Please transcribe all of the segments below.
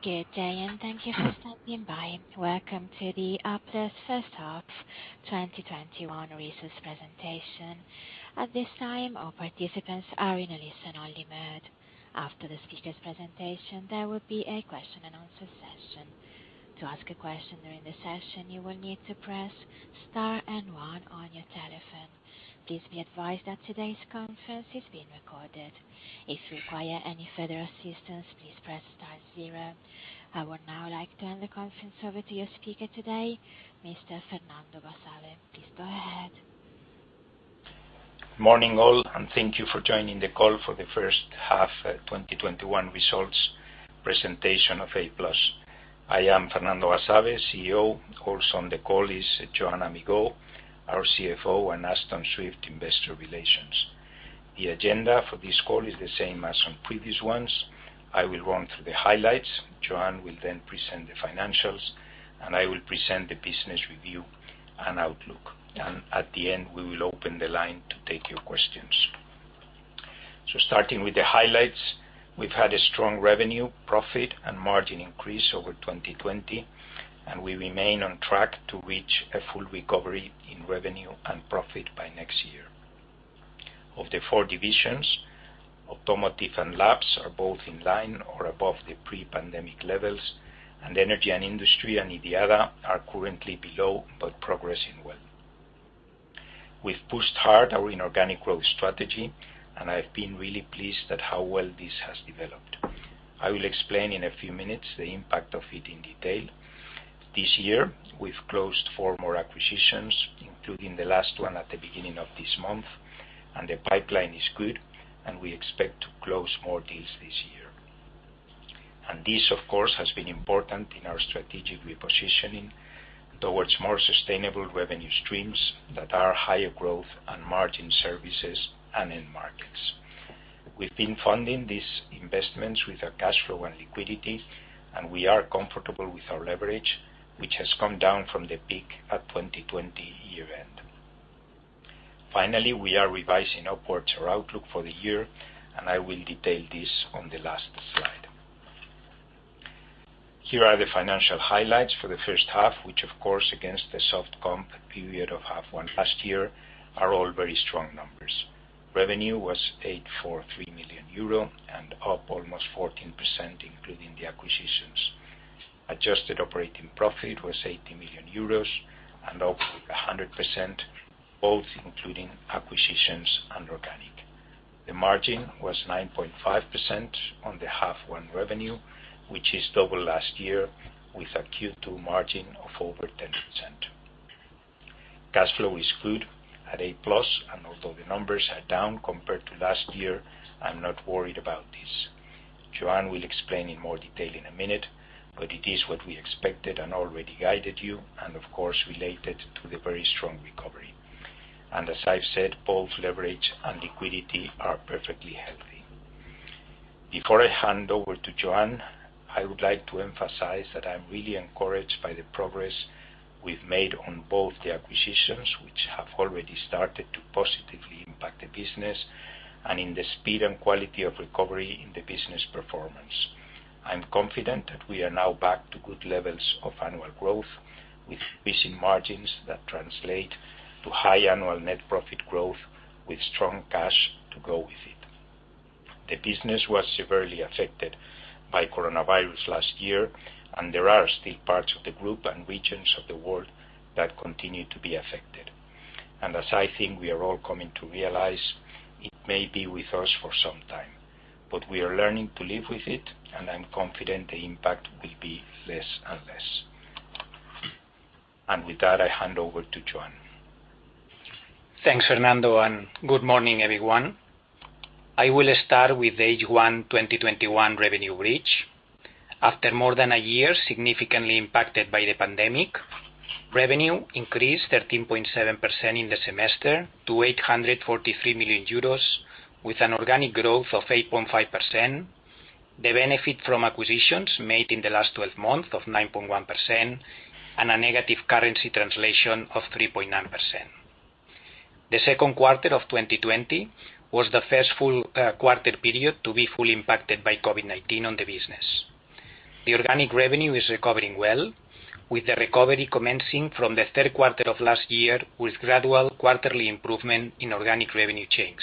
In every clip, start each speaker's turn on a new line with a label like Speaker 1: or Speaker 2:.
Speaker 1: Good day. Thank you for standing by. Welcome to the Applus first half two021 results presentation. At this time, all participants are in a listen-only mode. After the speaker's presentation, there will be a question and answer session. Please be advised that today's conference is being recorded. I would now like to hand the conference over to your speaker today, Mr. Fernando Basabe. Please go ahead.
Speaker 2: Morning, all, thank you for joining the call for the first half two021 results presentation of Applus. I am Fernando Basabe, CEO. Also on the call is Joan Amigó, our CFO, Ashton West, Investor Relations. The agenda for this call is the same as on previous ones. I will run through the highlights. Joan will present the financials, I will present the business review and outlook. At the end, we will open the line to take your questions. Starting with the highlights, we've had a strong revenue, profit, and margin increase over 2020, we remain on track to reach a full recovery in revenue and profit by next year. Of the four divisions, Automotive and Labs are both in line or above the pre-pandemic levels, Energy & Industry and IDIADA are currently below, progressing well. We've pushed hard our inorganic growth strategy, and I've been really pleased at how well this has developed. I will explain in a few minutes the impact of it in detail. This year, we've closed four more acquisitions, including the last one at the beginning of this month, and the pipeline is good, and we expect to close more deals this year. This, of course, has been important in our strategic repositioning towards more sustainable revenue streams that are higher growth and margin services and end markets. We've been funding these investments with our cash flow and liquidity, and we are comfortable with our leverage, which has come down from the peak at 2020 year-end. Finally, we are revising upwards our outlook for the year, and I will detail this on the last slide. Here are the financial highlights for the first half, which, of course, against the soft comp period of half one last year, are all very strong numbers. Revenue was 843 million euro and up almost 14%, including the acquisitions. Adjusted operating profit was 80 million euros and up 100%, both including acquisitions and organic. The margin was 9.5% on the half one revenue, which is double last year with a Q2 margin of over 10%. Cash flow is good at Applus, and although the numbers are down compared to last year, I'm not worried about this. Joan will explain in more detail in a minute, but it is what we expected and already guided you, and of course, related to the very strong recovery. As I've said, both leverage and liquidity are perfectly healthy. Before I hand over to Joan, I would like to emphasize that I'm really encouraged by the progress we've made on both the acquisitions, which have already started to positively impact the business, and in the speed and quality of recovery in the business performance. I'm confident that we are now back to good levels of annual growth, with increasing margins that translate to high annual net profit growth with strong cash to go with it. The business was severely affected by coronavirus last year, and there are still parts of the group and regions of the world that continue to be affected. As I think we are all coming to realize, it may be with us for some time, but we are learning to live with it, and I'm confident the impact will be less and less. With that, I hand over to Joan.
Speaker 3: Thanks, Fernando, and good morning, everyone. I will start with H1 2021 revenue reach. After more than a year significantly impacted by the pandemic, revenue increased 13.7% in the semester to 843 million euros, with an organic growth of 8.5%. The benefit from acquisitions made in the last 12 months of 9.1% and a negative currency translation of 3.9%. The second quarter of 2020 was the first full quarter period to be fully impacted by COVID-19 on the business. The organic revenue is recovering well, with the recovery commencing from the third quarter of last year with gradual quarterly improvement in organic revenue change.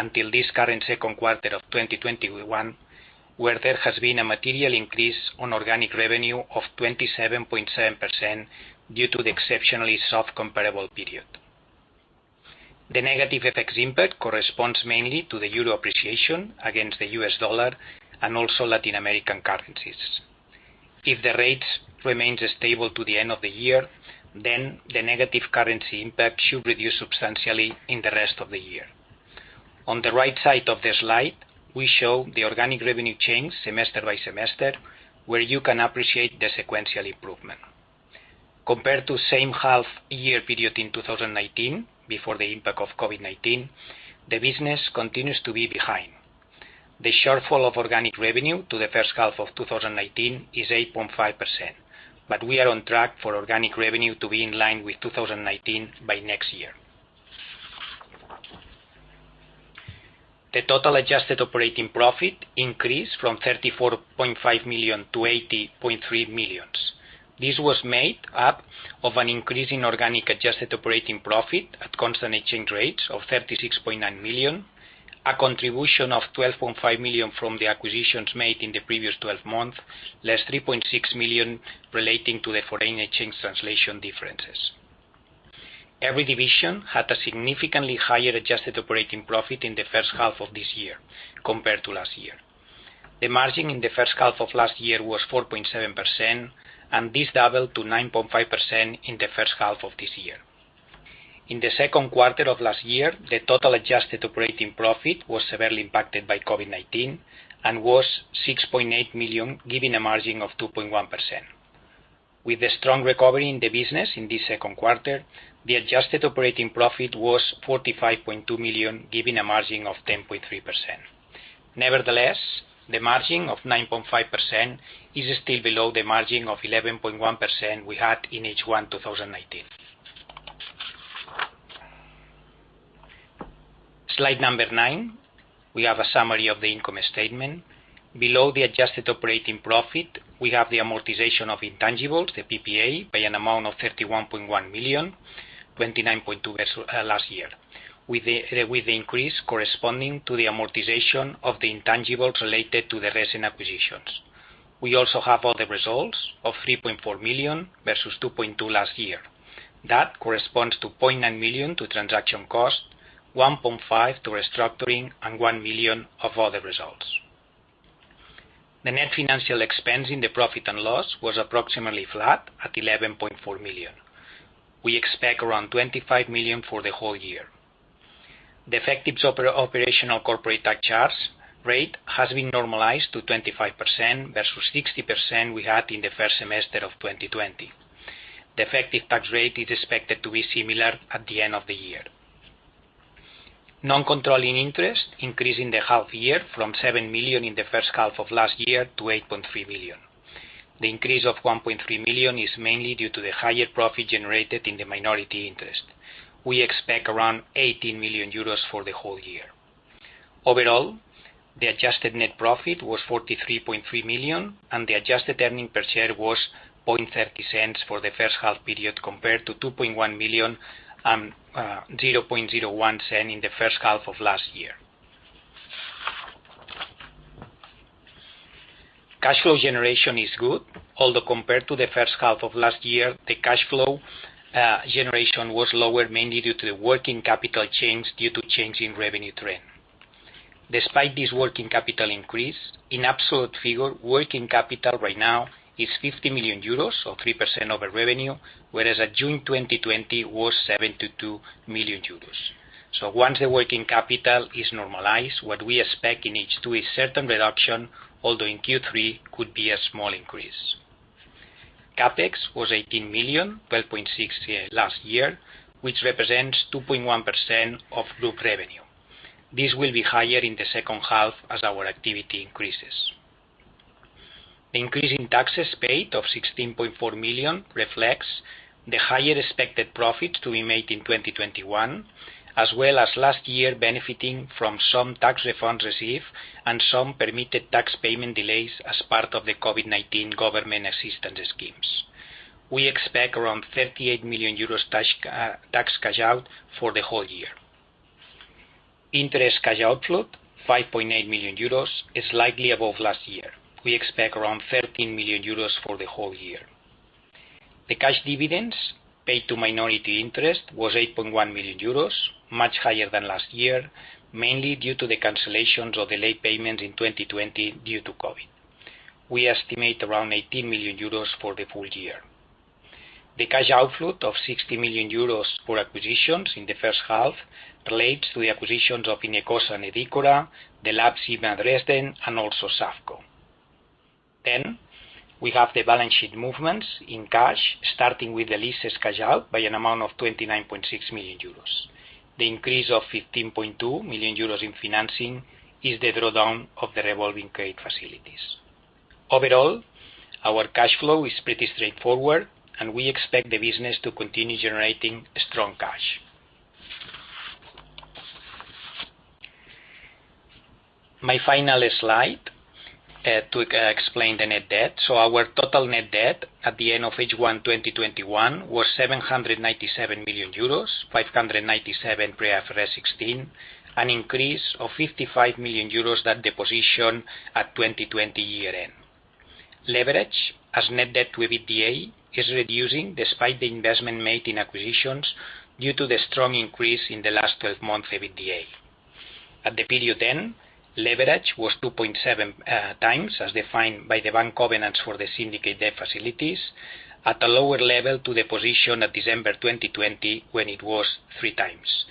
Speaker 3: Until this current second quarter of 2021, where there has been a material increase on organic revenue of 27.7% due to the exceptionally soft comparable period. The negative effects impact corresponds mainly to the euro appreciation against the US dollar and also Latin American currencies. If the rates remains stable to the end of the year, then the negative currency impact should reduce substantially in the rest of the year. On the right side of the slide, we show the organic revenue change semester by semester, where you can appreciate the sequential improvement. Compared to same half year period in 2019, before the impact of COVID-19, the business continues to be behind. The shortfall of organic revenue to the first half of 2019 is 8.5%, but we are on track for organic revenue to be in line with 2019 by next year. The total adjusted operating profit increased from 34.5 million to 80.3 million. This was made up of an increase in organic adjusted operating profit at constant exchange rates of 36.9 million, a contribution of 12.5 million from the acquisitions made in the previous 12 months, less 3.6 million relating to the foreign exchange translation differences. Every division had a significantly higher adjusted operating profit in the 1st half of this year compared to last year. The margin in the 1st half of last year was 4.7%, and this doubled to 9.5% in the 1st half of this year. In the second quarter of last year, the total adjusted operating profit was severely impacted by COVID-19 and was 6.8 million, giving a margin of 2.1%. With the strong recovery in the business in this second quarter, the adjusted operating profit was 45.2 million, giving a margin of 10.3%. Nevertheless, the margin of 9.5% is still below the margin of 11.1% we had in H1 2019. Slide number nine, we have a summary of the income statement. Below the adjusted operating profit, we have the amortization of intangibles, the PPA, by an amount of 31.1 million, 29.2 last year, with the increase corresponding to the amortization of the intangibles related to the recent acquisitions. We also have other results of 3.4 million versus 2.2 last year. That corresponds to 0.9 million to transaction cost, 1.5 million to restructuring, and 1 million of other results. The net financial expense in the profit and loss was approximately flat at 11.4 million. We expect around 25 million for the whole year. The effective operational corporate tax rate has been normalized to 25% versus 60% we had in the first semester of 2020. The effective tax rate is expected to be similar at the end of the year. Non-controlling interest increased in the half year from 7 million in the first half of last year to 8.3 million. The increase of 1.3 million is mainly due to the higher profit generated in the minority interest. We expect around 18 million euros for the whole year. Overall, the adjusted net profit was 43.3 million, and the adjusted EPS was 0.30 for the first half period compared to 2.1 million and 0.01 in the first half of last year. Cash flow generation is good, although compared to the first half of last year, the cash flow generation was lower, mainly due to the working capital change due to change in revenue trend. Despite this working capital increase, in absolute figure, working capital right now is 50 million euros, or 3% of our revenue, whereas at June 2020, it was 72 million euros. Once the working capital is normalized, what we expect in H2 a certain reduction, although in Q3 could be a small increase. CapEx was 18 million, 12.6 million last year, which represents 2.1% of group revenue. This will be higher in the second half as our activity increases. The increase in taxes paid of 16.4 million reflects the higher expected profits to be made in 2021, as well as last year benefiting from some tax refunds received and some permitted tax payment delays as part of the COVID-19 government assistance schemes. We expect around 38 million euros tax cash out for the whole year. Interest cash outflow, 5.8 million euros, is slightly above last year. We expect around 13 million euros for the whole year. The cash dividends paid to minority interest was 8.1 million euros, much higher than last year, mainly due to the cancellations of the late payments in 2020 due to COVID. We estimate around 18 million euros for the full year. The cash outflow of 60 million euros for acquisitions in the first half relates to the acquisitions of Inecosa and Adícora, the labs IMA Dresden, and also SAFCO. We have the balance sheet movements in cash, starting with the leases cash out by an amount of 29.6 million euros. The increase of 15.2 million euros in financing is the drawdown of the revolving credit facilities. Overall, our cash flow is pretty straightforward, and we expect the business to continue generating strong cash. My final slide to explain the net debt. Our total net debt at the end of H1 2021 was 797 million euros, 597 pre-IFRS 16, an increase of 55 million euros than the position at 2020 year-end. Leverage as net debt to EBITDA is reducing despite the investment made in acquisitions due to the strong increase in the last 12 months EBITDA. At the period end, leverage was 2.7 times, as defined by the bank covenants for the syndicate debt facilities, at a lower level to the position at December 2020, when it was three times,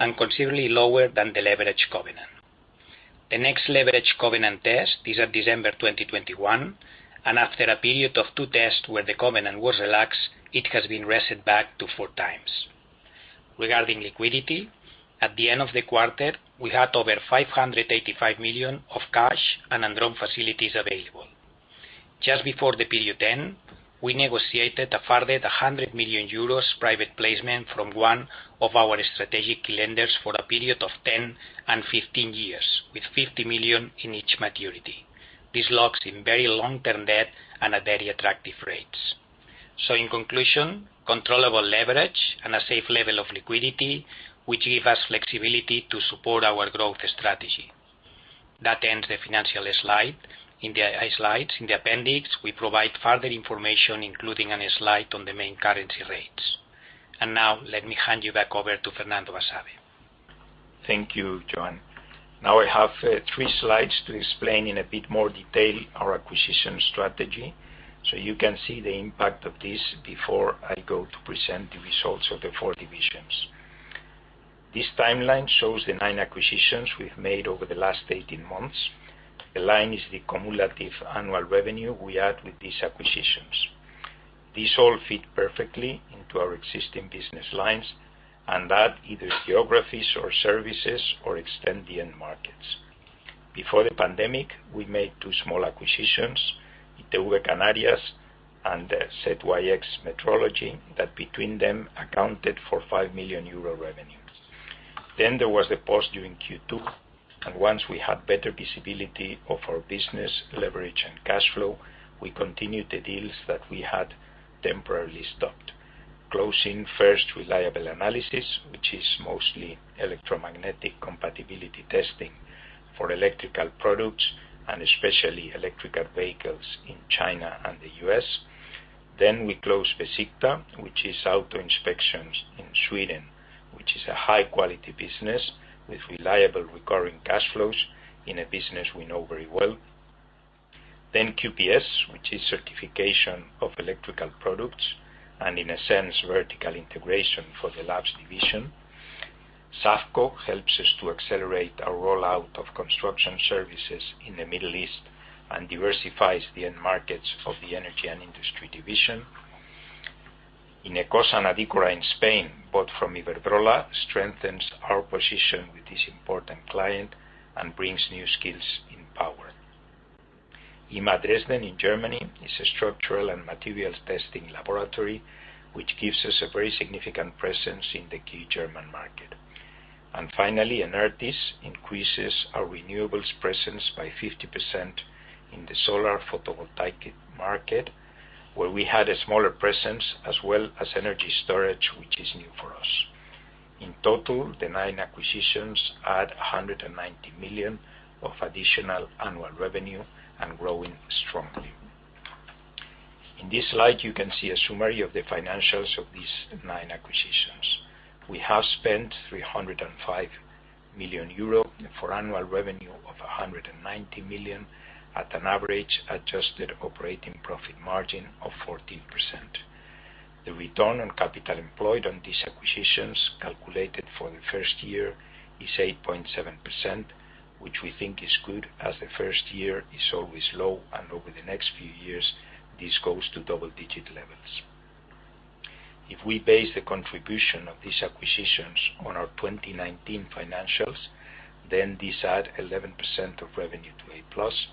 Speaker 3: and considerably lower than the leverage covenant. The next leverage covenant test is at December 2021, and after a period of two tests where the covenant was relaxed, it has been reset back to four times. Regarding liquidity, at the end of the quarter, we had over 585 million of cash and undrawn facilities available. Just before the period end, we negotiated a further 100 million euros private placement from one of our strategic lenders for a period of 10 and 15 years, with 50 million in each maturity. This locks in very long-term debt and at very attractive rates. In conclusion, controllable leverage and a safe level of liquidity, which give us flexibility to support our growth strategy. That ends the financial slides. In the appendix, we provide further information, including a slide on the main currency rates. Now, let me hand you back over to Fernando Basabe.
Speaker 2: Thank you, Joan. Now I have three slides to explain in a bit more detail our acquisition strategy, so you can see the impact of this before I go to present the results of the four divisions. This timeline shows the nine acquisitions we've made over the last 18 months. The line is the cumulative annual revenue we add with these acquisitions. These all fit perfectly into our existing business lines and add either geographies or services or extend the end markets. Before the pandemic, we made two small acquisitions, Iteuve Canarias and ZYX MEtrology, that between them accounted for 5 million euro revenue. There was a pause during Q2, and once we had better visibility of our business, leverage, and cash flow, we continued the deals that we had temporarily stopped, closing first Reliable Analysis, which is mostly electromagnetic compatibility testing for electrical products and especially electrical vehicles in China and the U.S. We closed Besikta, which is auto inspections in Sweden, which is a high-quality business with reliable recurring cash flows in a business we know very well. QPS, which is certification of electrical products and, in a sense, vertical integration for the labs division. SAFCO helps us to accelerate our rollout of construction services in the Middle East and diversifies the end markets of the Energy & Industry division. Inecosa in Spain, bought from Iberdrola, strengthens our position with this important client and brings new skills in power. IMA Dresden in Germany is a structural and materials testing laboratory, which gives us a very significant presence in the key German market. Finally, Enertis increases our renewables presence by 50% in the solar photovoltaic market, where we had a smaller presence, as well as energy storage, which is new for us. In total, the nine acquisitions add 190 million of additional annual revenue and growing strongly. In this slide, you can see a summary of the financials of these nine acquisitions. We have spent 305 million euro for annual revenue of 190 million at an average adjusted operating profit margin of 14%. The return on capital employed on these acquisitions, calculated for the first year, is 8.7%, which we think is good, as the first year is always low, and over the next few years, this goes to double-digit levels. If we base the contribution of these acquisitions on our 2019 financials, these add 11% of revenue to Applus,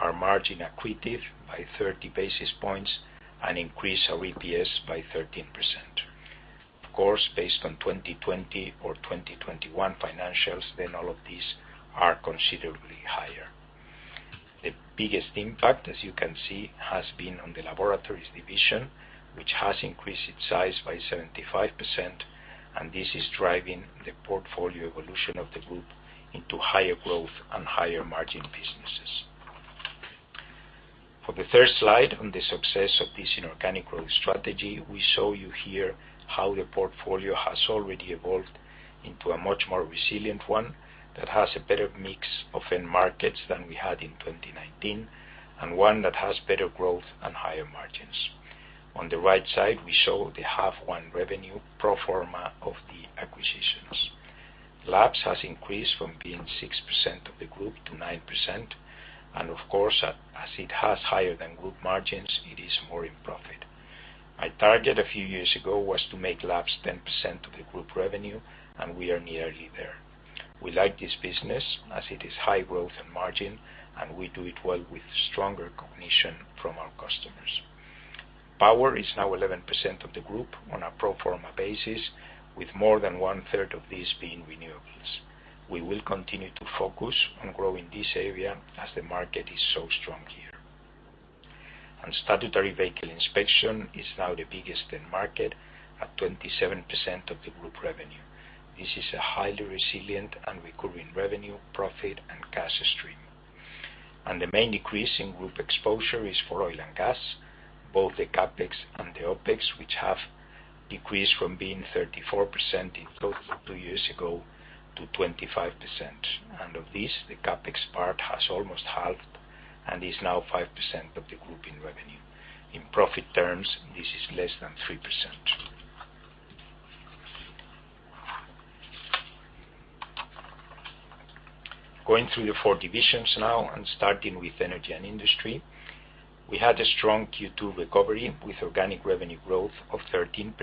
Speaker 2: our margin accretive by 30 basis points and increase our EPS by 13%. Of course, based on 2020 or 2021 financials, all of these are considerably higher. The biggest impact, as you can see, has been on the Laboratories division, which has increased its size by 75%, and this is driving the portfolio evolution of the group into higher growth and higher margin businesses. For the third slide on the success of this inorganic growth strategy, we show you here how the portfolio has already evolved into a much more resilient one that has a better mix of end markets than we had in 2019, and one that has better growth and higher margins. On the right side, we show the half one revenue pro forma of the acquisitions. Labs has increased from being 6% of the group to 9%, of course, as it has higher than group margins, it is more in profit. My target a few years ago was to make Labs 10% of the group revenue, we are nearly there. We like this business as it is high growth and margin, and we do it well with stronger recognition from our customers. Power is now 11% of the group on a pro forma basis, with more than one-third of this being renewables. We will continue to focus on growing this area as the market is so strong here. Statutory vehicle inspection is now the biggest end market at 27% of the group revenue. This is a highly resilient and recurring revenue, profit, and cash stream. The main decrease in group exposure is for oil and gas, both the CapEx and the OpEx, which have decreased from being 34% in total two years ago to 25%. Of this, the CapEx part has almost halved and is now 5% of the group in revenue. In profit terms, this is less than 3%. Going through the four divisions now and starting with Energy & Industry, we had a strong Q2 recovery with organic revenue growth of 13%,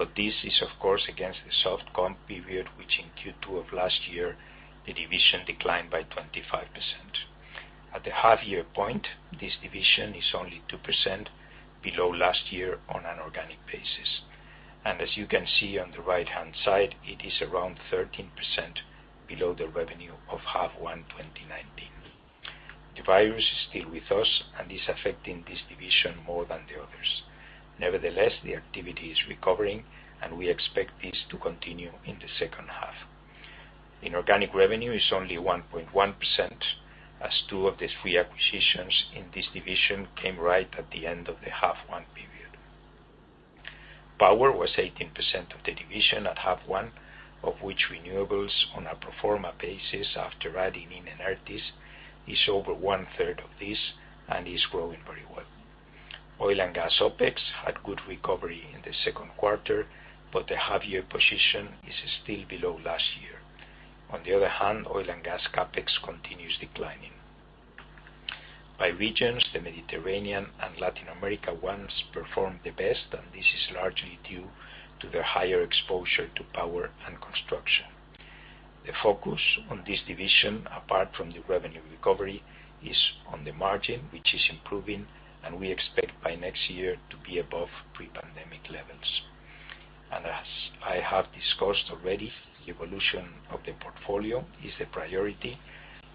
Speaker 2: but this is, of course, against the soft comp period, which in Q2 of last year, the division declined by 25%. At the half-year point, this division is only 2% below last year on an organic basis. As you can see on the right-hand side, it is around 13% below the revenue of half one 2019. The virus is still with us and is affecting this division more than the others. The activity is recovering, and we expect this to continue in the second half. Inorganic revenue is only 1.1%, as two of these three acquisitions in this division came right at the end of the half one period. Power was 18% of the division at half one, of which renewables on a pro forma basis after adding in Enertis is over one-third of this and is growing very well. Oil and gas OpEx had good recovery in the second quarter, the half-year position is still below last year. Oil and gas CapEx continues declining. The Mediterranean and Latin America once performed the best, this is largely due to the higher exposure to power and construction. The focus on this division, apart from the revenue recovery, is on the margin, which is improving. We expect by next year to be above pre-pandemic levels. As I have discussed already, the evolution of the portfolio is the priority,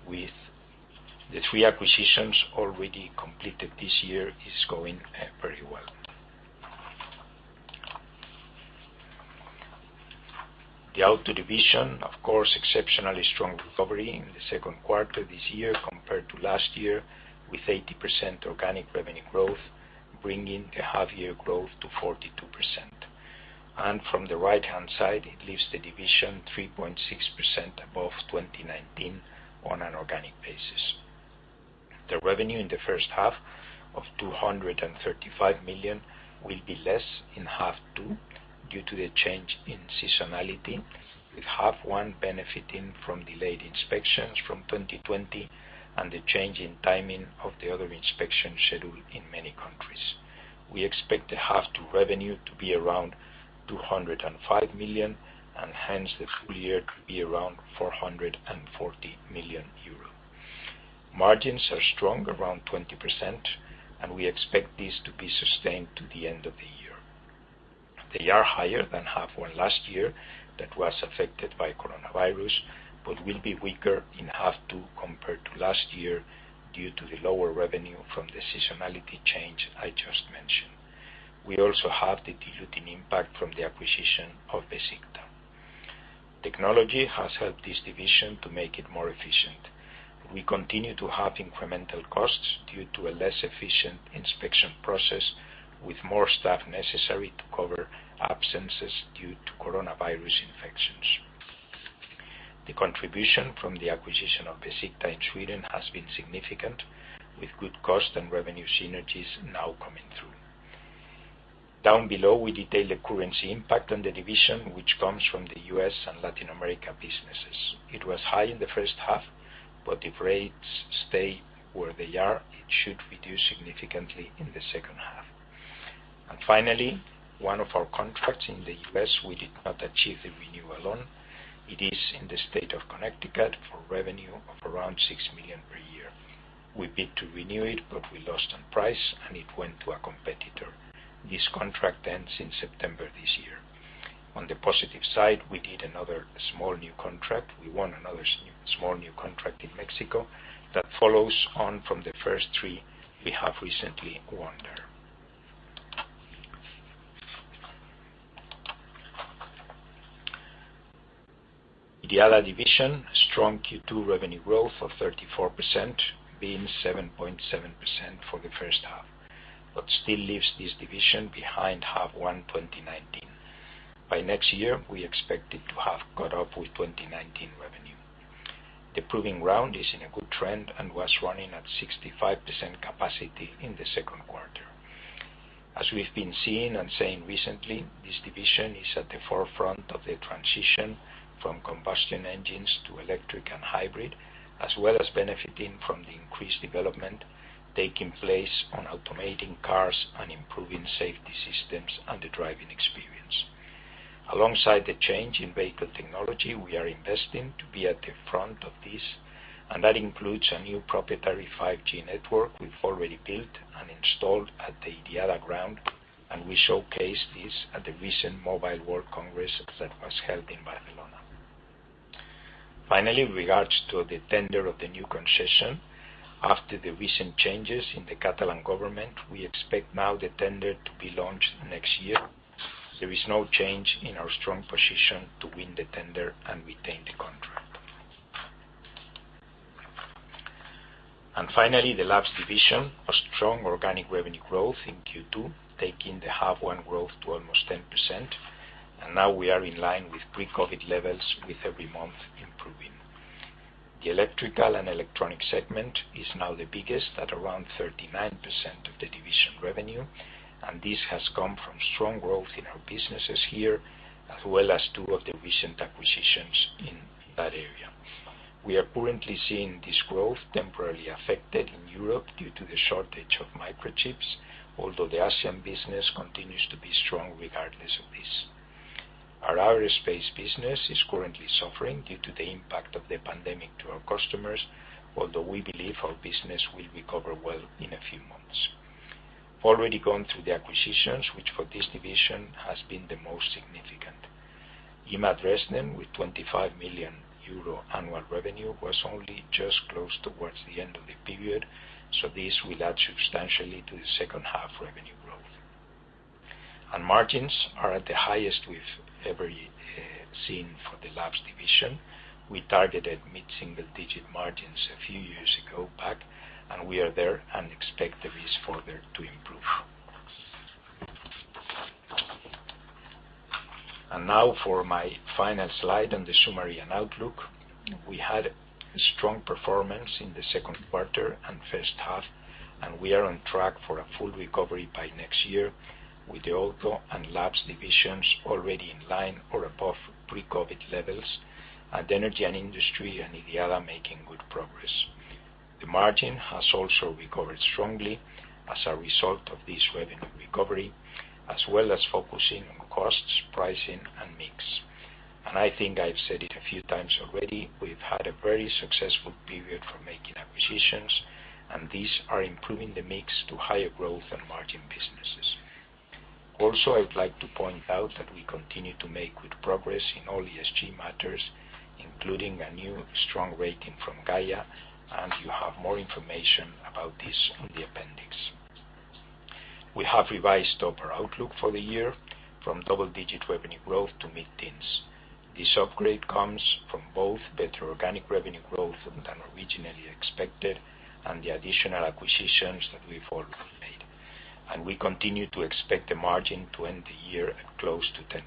Speaker 2: with the three acquisitions already completed this year is going very well. The Auto division, of course, exceptionally strong recovery in the second quarter this year compared to last year, with 80% organic revenue growth, bringing the half-year growth to 42%. From the right-hand side, it leaves the division 3.6% above 2019 on an organic basis. The revenue in the first half of 235 million will be less in half two due to the change in seasonality, with half one benefiting from delayed inspections from 2020 and the change in timing of the other inspection schedule in many countries. We expect the half two revenue to be around 205 million, and hence the full year to be around 440 million euro. Margins are strong, around 20%, and we expect this to be sustained to the end of the year. They are higher than half 1 last year that was affected by coronavirus, but will be weaker in half two compared to last year due to the lower revenue from the seasonality change I just mentioned. We also have the diluting impact from the acquisition of Besikta. Technology has helped this division to make it more efficient. We continue to have incremental costs due to a less efficient inspection process, with more staff necessary to cover absences due to coronavirus infections. The contribution from the acquisition of Besikta in Sweden has been significant, with good cost and revenue synergies now coming through. Down below, we detail the currency impact on the division, which comes from the U.S. and Latin America businesses. It was high in the first half, but if rates stay where they are, it should reduce significantly in the second half. One of our contracts in the U.S., we did not achieve the renewal on. It is in the state of Connecticut for revenue of around 6 million per year. We bid to renew it, but we lost on price, and it went to a competitor. This contract ends in September this year. We need another small new contract. We won another small new contract in Mexico that follows on from the first three we have recently won there. IDIADA division, strong Q2 revenue growth of 34%, being 7.7% for the first half, but still leaves this division behind half one 2019. By next year, we expect it to have caught up with 2019 revenue. The proving ground is in a good trend and was running at 65% capacity in the second quarter. As we've been seeing and saying recently, this division is at the forefront of the transition from combustion engines to electric and hybrid, as well as benefiting from the increased development taking place on automating cars and improving safety systems and the driving experience. Alongside the change in vehicle technology, we are investing to be at the front of this, and that includes a new proprietary 5G network we've already built and installed at the IDIADA ground, and we showcase this at the recent Mobile World Congress that was held in Barcelona. In regards to the tender of the new concession, after the recent changes in the Catalan government, we expect now the tender to be launched next year. There is no change in our strong position to win the tender and retain the contract. The Laboratories division, a strong organic revenue growth in Q2, taking the half one growth to almost 10%. Now we are in line with pre-COVID levels with every month improving. The electrical and electronic segment is now the biggest at around 39% of the division revenue, and this has come from strong growth in our businesses here, as well as 2 of the recent acquisitions in that area. We are currently seeing this growth temporarily affected in Europe due to the shortage of microchips, although the Asian business continues to be strong regardless of this. Our aerospace business is currently suffering due to the impact of the pandemic to our customers, although we believe our business will recover well in a few months. We've already gone through the acquisitions, which for this division has been the most significant. IMA Dresden, with 25 million euro annual revenue, was only just closed towards the end of the period, so this will add substantially to the second half revenue growth. Margins are at the highest we've ever seen for the Laboratories division. We targeted mid-single digit margins a few years ago back, and we are there and expect this further to improve. Now for my final slide on the summary and outlook. We had strong performance in the second quarter and first half, and we are on track for a full recovery by next year, with the Auto and Laboratories divisions already in line or above pre-COVID-19 levels, and Energy & Industry and IDIADA making good progress. The margin has also recovered strongly as a result of this revenue recovery, as well as focusing on costs, pricing, and mix. I think I've said it a few times already, we've had a very successful period for making acquisitions, and these are improving the mix to higher growth and margin businesses. Also, I would like to point out that we continue to make good progress in all ESG matters, including a new strong rating from Gaïa, and you have more information about this on the appendix. We have revised up our outlook for the year from double-digit revenue growth to mid-teens. This upgrade comes from both better organic revenue growth than originally expected and the additional acquisitions that we've already made. We continue to expect the margin to end the year at close to 10%.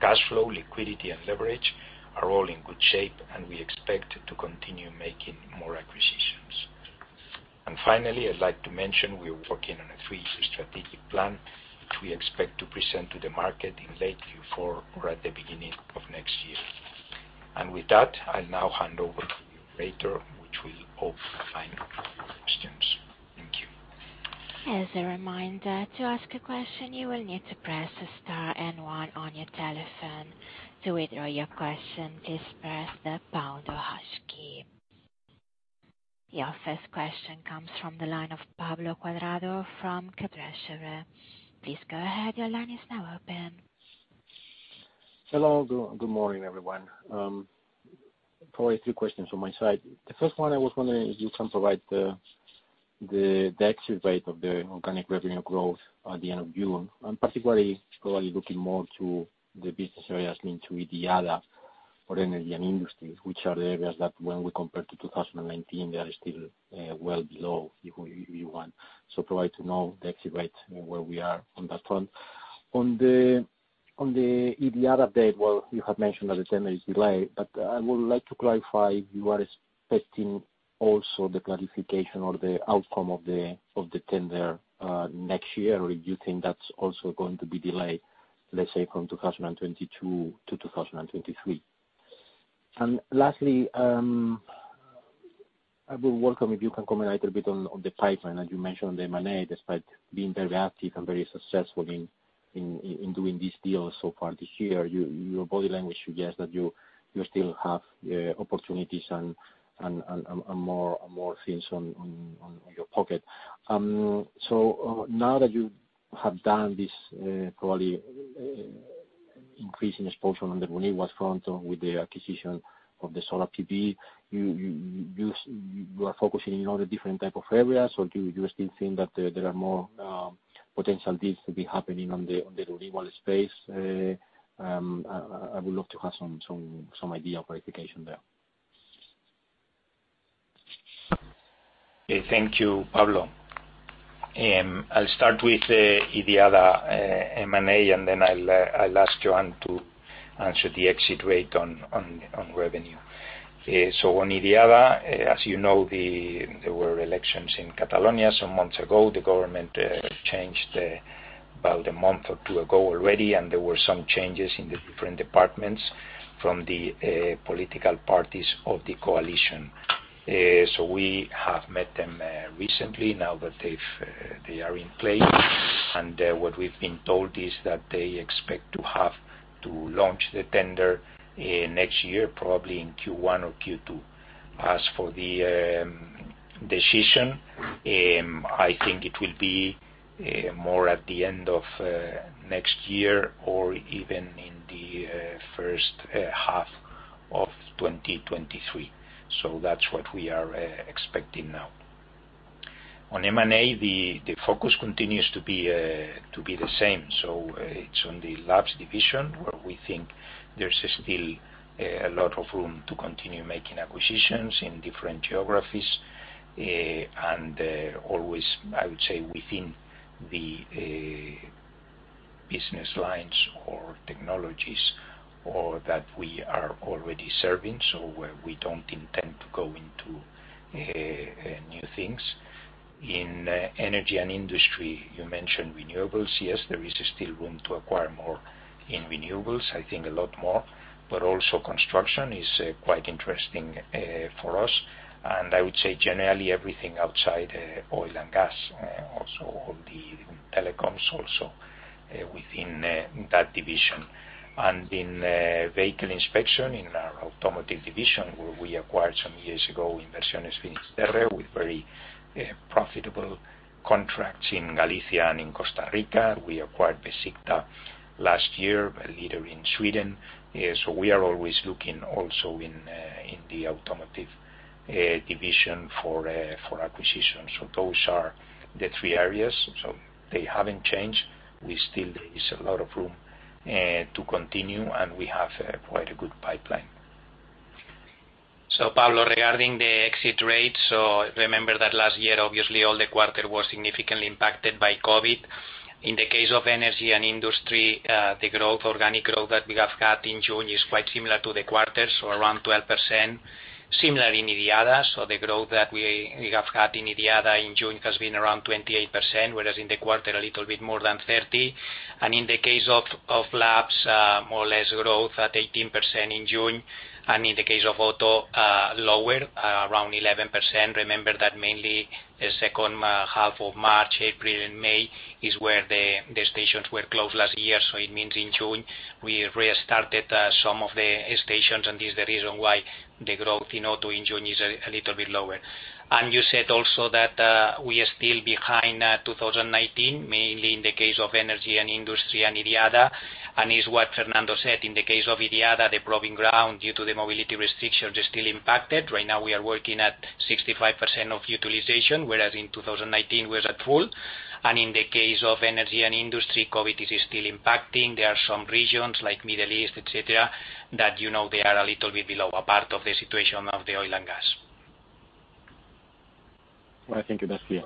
Speaker 2: Cash flow, liquidity, and leverage are all in good shape, and we expect to continue making more acquisitions. Finally, I'd like to mention we are working on a three-year strategic plan, which we expect to present to the market in late Q4 or at the beginning of next year. With that, I'll now hand over to the operator, which will open the floor for questions. Thank you.
Speaker 1: Your first question comes from the line of Pablo Cuadrado from Kepler Cheuvreux. Please go ahead. Your line is now open.
Speaker 4: Hello. Good morning, everyone. A few questions from my side. The first one I was wondering if you can provide the exit rate of the organic revenue growth at the end of June, particularly looking more to the business areas into IDIADA or Energy & Industry, which are the areas that when we compare to 2019, they are still well below Q1. Provide to know the exit rate and where we are on that front. On the IDIADA update, well, you have mentioned that the tender is delayed, I would like to clarify if you are expecting also the clarification or the outcome of the tender next year. Do you think that's also going to be delayed, let's say, from 2022 to 2023? Lastly, I will welcome if you can comment a little bit on the pipeline. As you mentioned, the M&A, despite being very active and very successful in doing these deals so far this year, your body language suggests that you still have opportunities and more things on your pocket. Now that you have done this, probably increasing exposure on the renewables front with the acquisition of the solar PV, you are focusing in all the different type of areas or do you still think that there are more potential deals to be happening on the renewable space? I would love to have some idea or clarification there.
Speaker 2: Thank you, Pablo. I'll start with IDIADA M&A, and then I'll ask Joan to answer the exit rate on revenue. On IDIADA, as you know, there were elections in Catalonia some months ago. The government changed about one or two months ago already, and there were some changes in the different departments from the political parties of the coalition. We have met them recently now that they are in place. What we've been told is that they expect to have to launch the tender next year, probably in Q1 or Q2. As for the decision, I think it will be more at the end of next year or even in the first half of 2023. That's what we are expecting now. On M&A, the focus continues to be the same. It's on the Laboratories division, where we think there's still a lot of room to continue making acquisitions in different geographies. Always, I would say, within the business lines or technologies or that we are already serving, we don't intend to go into new things. In Energy & Industry, you mentioned renewables. Yes, there is still room to acquire more in renewables, I think a lot more. Also construction is quite interesting for us. I would say generally, everything outside oil and gas, also all the telecoms within that division. In vehicle inspection, in our Automotive division, where we acquired some years ago, Inversiones Finisterre, with very profitable contracts in Galicia and in Costa Rica. We acquired Besikta last year, a leader in Sweden. We are always looking also in the Automotive division for acquisitions. Those are the three areas. They haven't changed. There is a lot of room to continue, and we have quite a good pipeline.
Speaker 3: Pablo, regarding the exit rates, remember that last year, obviously all the quarter was significantly impacted by COVID. In the case of Energy & Industry, the organic growth that we have had in June is quite similar to the quarters, around 12%. Similarly in IDIADA. The growth that we have had in IDIADA in June has been around 28%, whereas in the quarter, a little bit more than 30%. In the case of Labs, more or less growth at 18% in June. In the case of Auto, lower, around 11%. Remember that mainly the second half of March, April, and May is where the stations were closed last year. It means in June, we restarted some of the stations, and this is the reason why the growth in Auto in June is a little bit lower. You said also that we are still behind 2019, mainly in the case of Energy & Industry and IDIADA. Is what Fernando said, in the case of IDIADA, the proving ground, due to the mobility restrictions, is still impacted. Right now we are working at 65% of utilization, whereas in 2019 we were at full. In the case of Energy & Industry, COVID is still impacting. There are some regions like Middle East, et cetera, that they are a little bit below a part of the situation of the oil and gas.
Speaker 2: I think that's it.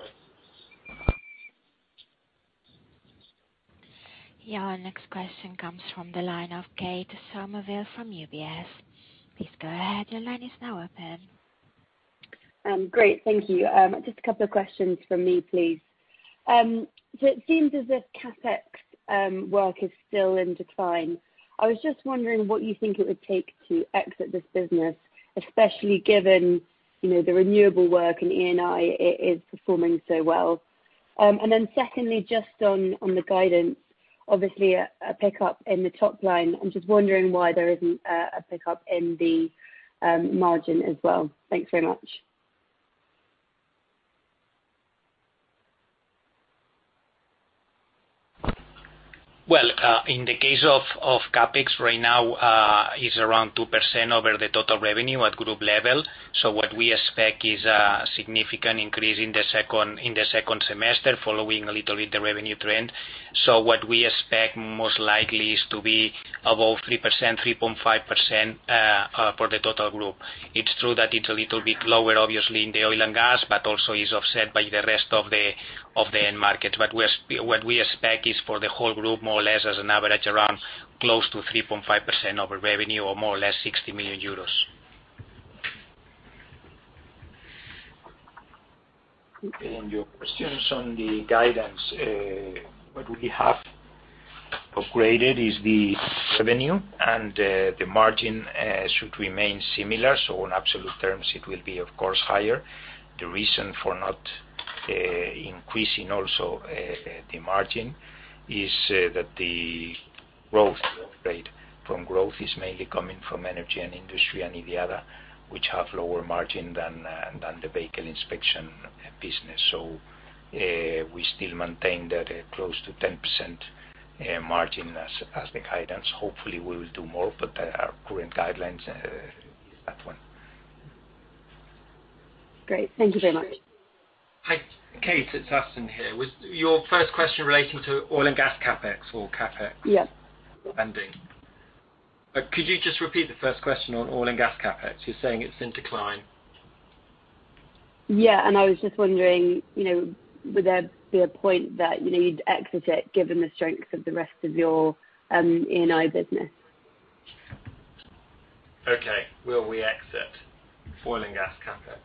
Speaker 1: Yeah, our next question comes from the line of Kate Somerville from UBS. Please go ahead. Your line is now open.
Speaker 5: Great. Thank you. Just a couple of questions from me, please. It seems as if CapEx work is still in decline. I was just wondering what you think it would take to exit this business, especially given the renewable work in ENI is performing so well. Secondly, just on the guidance, obviously a pickup in the top line. I am just wondering why there isn't a pickup in the margin as well. Thanks very much.
Speaker 3: Well, in the case of CapEx, right now, is around 2% over the total revenue at group level. What we expect is a significant increase in the second semester, following a little bit the revenue trend. What we expect most likely is to be above 3%, 3.5% for the total group. It's true that it's a little bit lower, obviously, in the oil and gas, but also is offset by the rest of the end market. What we expect is for the whole group, more or less as an average, around close to 3.5% of revenue or more or less 60 million euros.
Speaker 2: Okay. Your questions on the guidance. What we have upgraded is the revenue, and the margin should remain similar. On absolute terms, it will be, of course, higher. The reason for not increasing also the margin is that the growth rate from growth is mainly coming from Energy & Industry and IDIADA, which have lower margin than the vehicle inspection business. We still maintain that close to 10% margin as the guidance. Hopefully, we will do more, but our current guidelines is that one.
Speaker 5: Great. Thank you very much.
Speaker 6: Hi, Kate, it's Ashton here. Was your first question relating to oil and gas CapEx or CapEx?
Speaker 5: Yeah
Speaker 6: spending? Could you just repeat the first question on oil and gas CapEx? You're saying it's in decline.
Speaker 5: Yeah. I was just wondering, would there be a point that you need to exit it given the strength of the rest of your ENI business?
Speaker 6: Okay. Will we exit oil and gas CapEx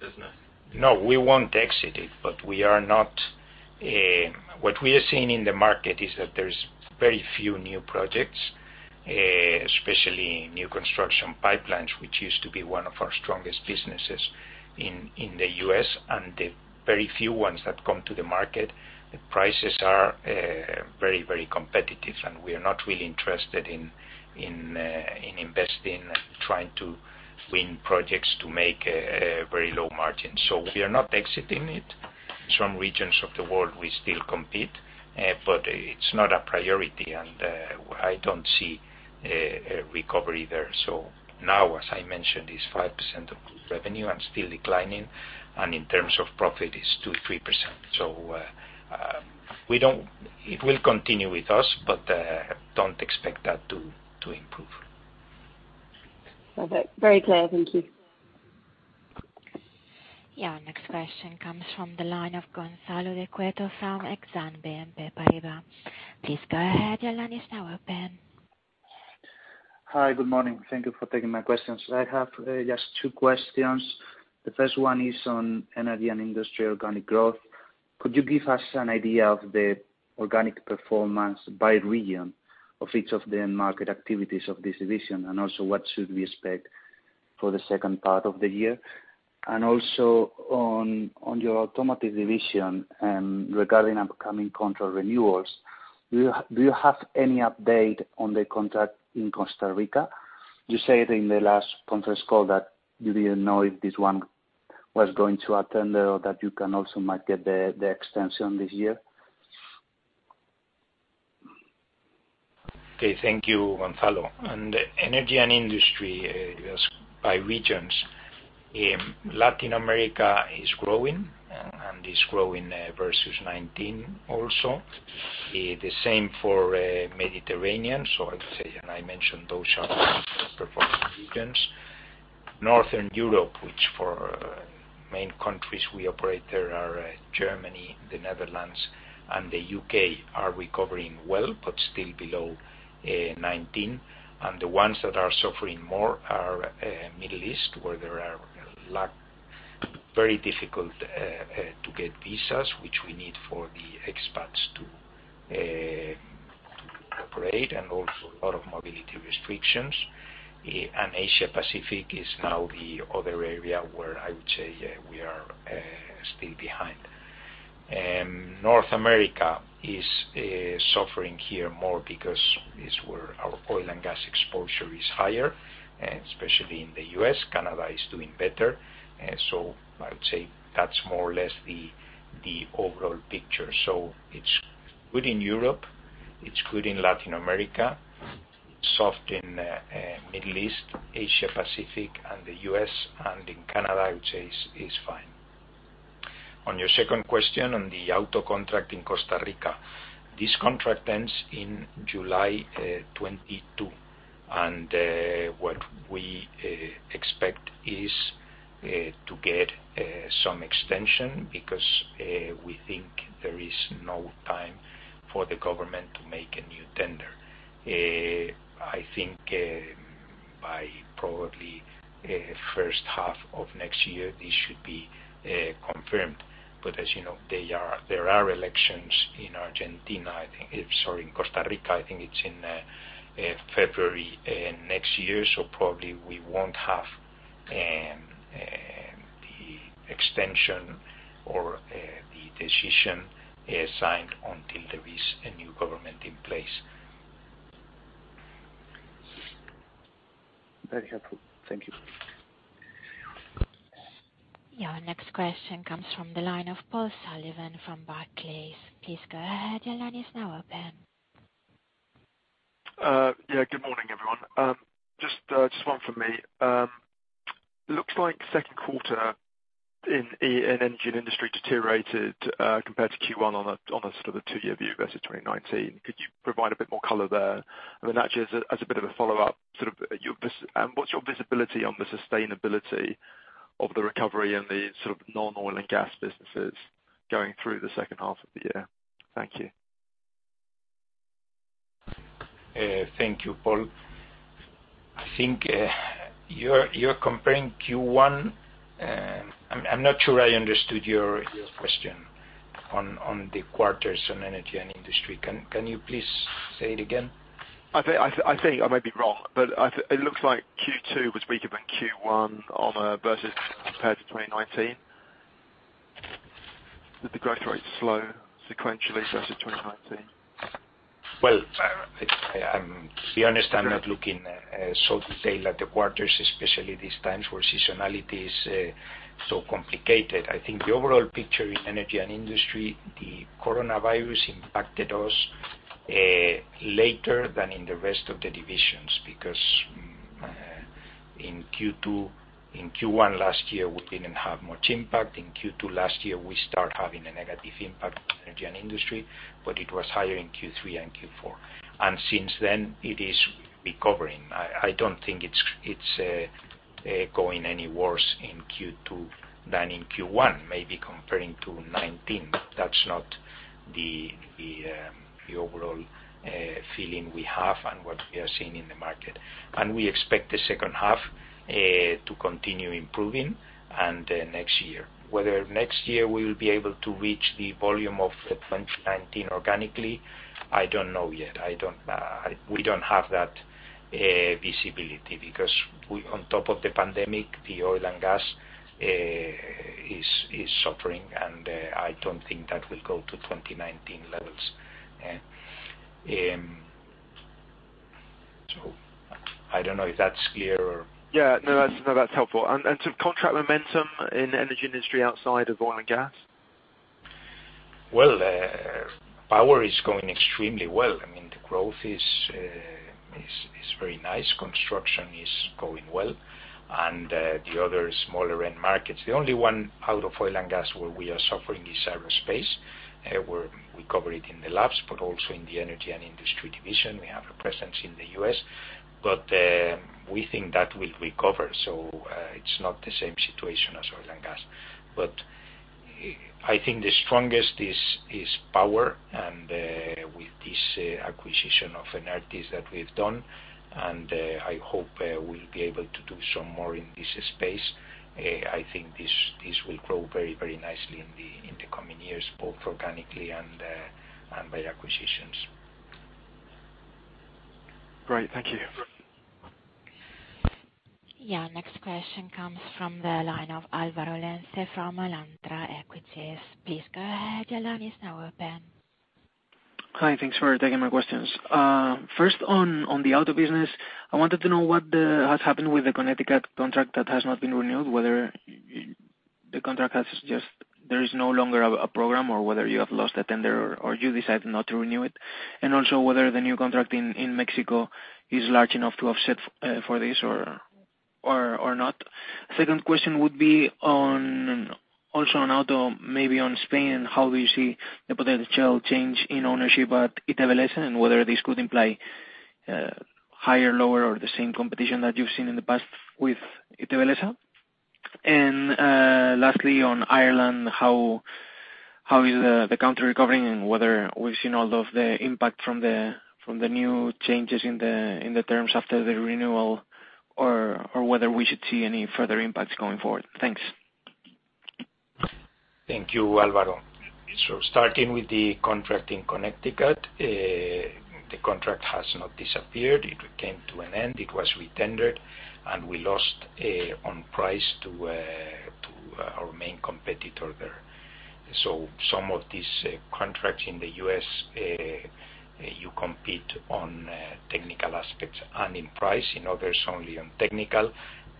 Speaker 6: business?
Speaker 2: No, we won't exit it. What we are seeing in the market is that there's very few new projects, especially new construction pipelines, which used to be one of our strongest businesses in the U.S., and the very few ones that come to the market, the prices are very competitive, and we are not really interested in investing and trying to win projects to make a very low margin. We are not exiting it. Some regions of the world, we still compete. It's not a priority, and I don't see a recovery there. Now, as I mentioned, it's 5% of revenue and still declining. In terms of profit, it's 2%-3%. It will continue with us, but don't expect that to improve.
Speaker 5: Perfect. Very clear. Thank you.
Speaker 1: Yeah. Next question comes from the line of Gonzalo de Cueto from Exane BNP Paribas. Please go ahead. Your line is now open.
Speaker 7: Hi. Good morning. Thank you for taking my questions. I have just two questions. The first one is on Energy & Industry organic growth. Could you give us an idea of the organic performance by region of each of the end market activities of this division, and also what should we expect for the second part of the year? On your Automotive division, and regarding upcoming contract renewals, do you have any update on the contract in Costa Rica? You said in the last conference call that you didn't know if this one was going to attend or that you can also might get the extension this year.
Speaker 2: Okay. Thank you, Gonzalo. On Energy & Industry, just by regions, Latin America is growing, and is growing versus 2019 also. The same for Mediterranean. I would say, and I mentioned those are outperforming regions. Northern Europe, which for main countries we operate there are Germany, the Netherlands, and the U.K., are recovering well, but still below 2019. The ones that are suffering more are Middle East, where there are very difficult to get visas, which we need for the expats to operate, and also a lot of mobility restrictions. Asia Pacific is now the other area where I would say we are still behind. North America is suffering here more because it's where our oil and gas exposure is higher, especially in the U.S. Canada is doing better. I would say that's more or less the overall picture. It's good in Europe, it's good in Latin America, soft in Middle East, Asia Pacific and the U.S. In Canada, I would say it's fine. On your second question, on the Auto contract in Costa Rica. This contract ends in July 2022. What we expect is to get some extension because we think there is no time for the government to make a new tender. I think by probably first half of next year, this should be confirmed. As you know, there are elections in Costa Rica, I think it's in February next year. Probably we won't have the extension or the decision signed until there is a new government in place.
Speaker 7: Very helpful. Thank you.
Speaker 1: Your next question comes from the line of Paul Sullivan from Barclays. Please go ahead. Your line is now open.
Speaker 8: Yeah. Good morning, everyone. Just one from me. Looks like second quarter in Energy & Industry deteriorated compared to Q1 on a sort of a two-year view versus 2019. Could you provide a bit more color there? Actually, as a bit of a follow-up, what's your visibility on the sustainability of the recovery in the non-oil and gas businesses going through the second half of the year? Thank you.
Speaker 2: Thank you, Paul. I think you're comparing Q1. I'm not sure I understood your question on the quarters on Energy & Industry. Can you please say it again?
Speaker 8: I think I might be wrong, but it looks like Q2 was weaker than Q1 versus compared to 2019. Did the growth rate slow sequentially versus 2019?
Speaker 2: Well, to be honest, I'm not looking so detail at the quarters, especially these times where seasonality is so complicated. I think the overall picture in Energy & Industry, the coronavirus impacted us later than in the rest of the divisions, because in Q1 last year, we didn't have much impact. In Q2 last year, we start having a negative impact on Energy & Industry, but it was higher in Q3 and Q4. Since then it is recovering. I don't think it's going any worse in Q2 than in Q1, maybe comparing to 2019. That's not the overall feeling we have and what we are seeing in the market. We expect the second half to continue improving and next year. Whether next year we will be able to reach the volume of the 2019 organically, I don't know yet. We don't have that visibility because on top of the pandemic, the oil and gas is suffering, and I don't think that will go to 2019 levels. I don't know if that's clear or?
Speaker 8: Yeah. No, that's helpful. Some contract momentum in Energy & Industry outside of oil and gas?
Speaker 2: Well, power is going extremely well. The growth is very nice. Construction is going well. The other smaller end markets. The only one out of oil and gas where we are suffering is aerospace, where we cover it in the labs, but also in the Energy & Industry division, we have a presence in the U.S. We think that will recover. It's not the same situation as oil and gas. I think the strongest is power and with this acquisition of Enertis that we've done, and I hope we'll be able to do some more in this space. I think this will grow very nicely in the coming years, both organically and by acquisitions.
Speaker 8: Great. Thank you.
Speaker 1: Yeah. Next question comes from the line of Álvaro Lenze from Alantra Equities. Please go ahead. Your line is now open.
Speaker 9: Hi. Thanks for taking my questions. First, on the Auto business, I wanted to know what has happened with the Connecticut contract that has not been renewed, whether the contract has just, there is no longer a program or whether you have lost a tender or you decided not to renew it. Also whether the new contract in Mexico is large enough to offset for this or not. Second question would be also on Auto, maybe on Spain, how do you see the potential change in ownership at Itevelesa, whether this could imply higher, lower, or the same competition that you've seen in the past with Itevelesa. Lastly, on Ireland, how is the country recovering and whether we've seen all of the impact from the new changes in the terms after the renewal or whether we should see any further impacts going forward. Thanks.
Speaker 2: Thank you, Álvaro. Starting with the contract in Connecticut, the contract has not disappeared. It came to an end. It was retendered, and we lost on price to our main competitor there. Some of these contracts in the U.S., you compete on technical aspects and in price. In others, only on technical.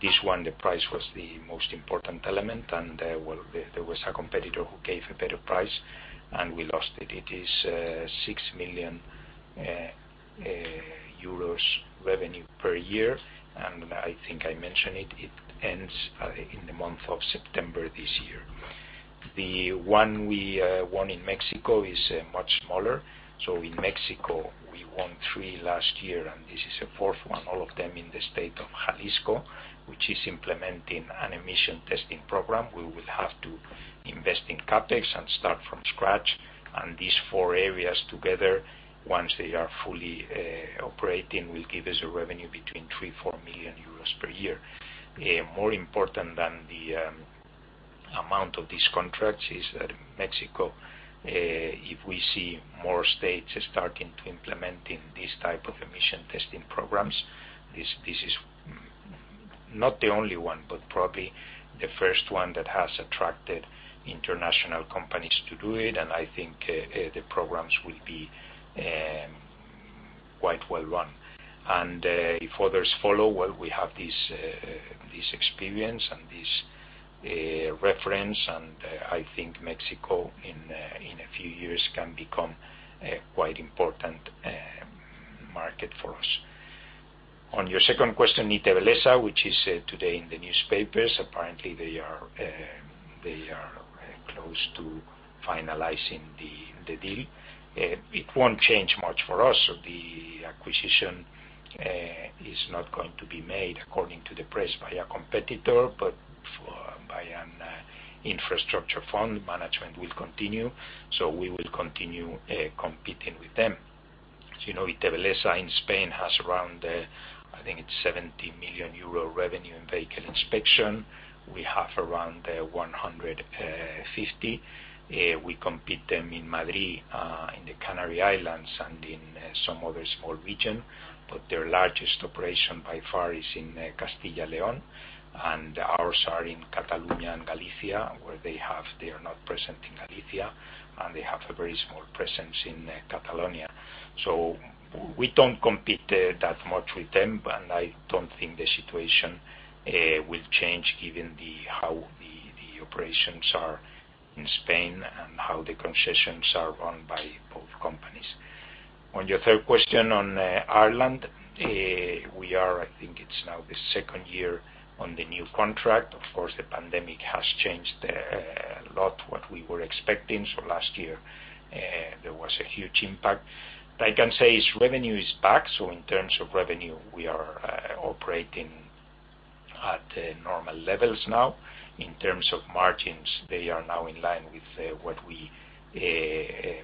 Speaker 2: This one, the price was the most important element. Well, there was a competitor who gave a better price, and we lost it. It is 6 million euros revenue per year. I think I mentioned it ends in the month of September this year. The one we won in Mexico is much smaller. In Mexico, we won 3 last year, and this is a 4th one, all of them in the state of Jalisco, which is implementing an emission testing program. We will have to invest in CapEx and start from scratch. These four areas together, once they are fully operating, will give us a revenue between 3 million euros, 4 million euros per year. More important than the amount of these contracts is that in Mexico, if we see more states starting to implementing this type of emission testing programs, this is not the only one, but probably the first one that has attracted international companies to do it. I think the programs will be quite well run. If others follow, well, we have this experience and this reference, I think Mexico in a few years can become a quite important market for us. On your second question, Italvialesa, which is today in the newspapers, apparently they are close to finalizing the deal. It won't change much for us. The acquisition is not going to be made according to the press by a competitor, but by an infrastructure fund. Management will continue. We will continue competing with them. As you know, Italvialesa in Spain has around, I think it's 70 million euro revenue in vehicle inspection. We have around 150. We compete them in Madrid, in the Canary Islands, and in some other small region. Their largest operation by far is in Castilla y León, and ours are in Catalonia and Galicia, where they are not present in Galicia, and they have a very small presence in Catalonia. We don't compete that much with them, and I don't think the situation will change given how the operations are in Spain and how the concessions are run by both companies. On your third question on Ireland, we are, I think it's now the second year on the new contract. Of course, the pandemic has changed a lot what we were expecting. Last year, there was a huge impact. What I can say is revenue is back, so in terms of revenue, we are operating at normal levels now. In terms of margins, they are now in line with what we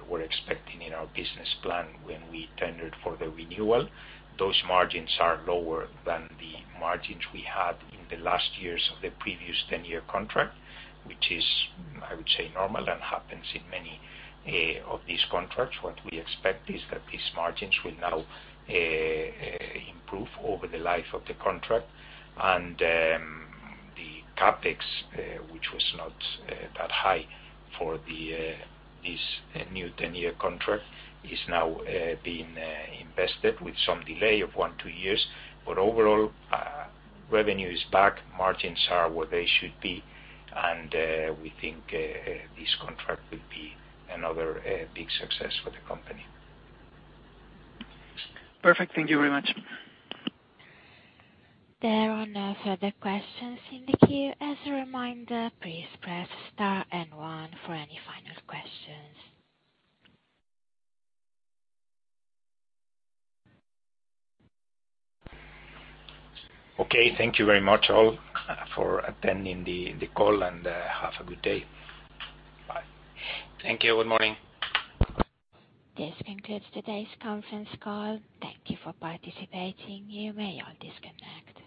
Speaker 2: were expecting in our business plan when we tendered for the renewal. Those margins are lower than the margins we had in the last years of the previous 10-year contract, which is, I would say, normal and happens in many of these contracts. What we expect is that these margins will now improve over the life of the contract. The CapEx, which was not that high for this new 10-year contract, is now being invested with some delay of one, two years. Overall, revenue is back, margins are where they should be, and we think this contract will be another big success for the company.
Speaker 9: Perfect. Thank you very much.
Speaker 1: There are no further questions in the queue. As a reminder, please press star and one for any final questions.
Speaker 2: Okay. Thank you very much all for attending the call, and have a good day. Bye.
Speaker 8: Thank you. Good morning.
Speaker 1: This concludes today's conference call. Thank you for participating. You may all disconnect.